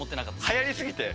はやりすぎて？